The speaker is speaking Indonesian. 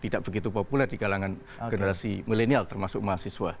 tidak begitu populer di kalangan generasi milenial termasuk mahasiswa